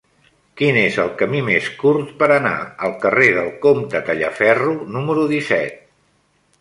Quin és el camí més curt per anar al carrer del Comte Tallaferro número disset?